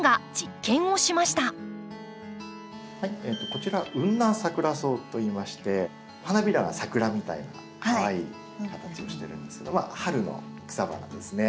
こちらウンナンサクラソウといいまして花びらがサクラみたいなかわいい形をしてるんですけど春の草花ですね。